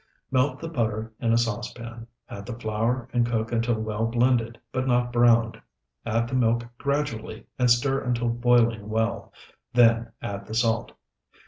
Melt the butter in a saucepan, add the flour, and cook until well blended, but not browned; add the milk gradually, and stir until boiling well; then add the salt.